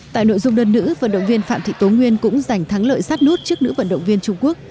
tại nội dung đơn nữ vận động viên phạm thị tố nguyên cũng giành thắng lợi sát nút trước nữ vận động viên trung quốc